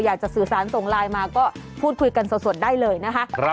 อยากจะสื่อสารส่งไลน์มาก็พูดคุยกันสดได้เลยนะคะ